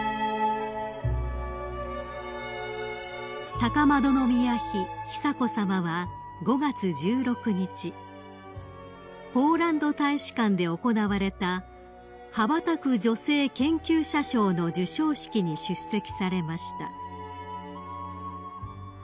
［高円宮妃久子さまは５月１６日ポーランド大使館で行われた羽ばたく女性研究者賞の授賞式に出席されました］